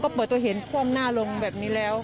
ก็เปิดตัวเห็นคว่ำหน้าลงแบบนี้แล้ว